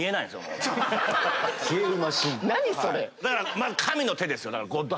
何それ⁉だから神の手ですよ。